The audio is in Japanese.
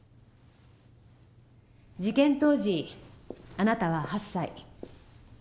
事件当時あなたは８歳。